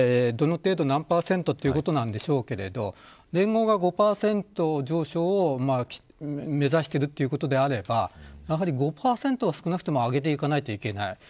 どの程度、何％ということなんでしょうけど連合が５％上昇を目指しているということであればやはり５％は少なくても上げていかなくてはいけない。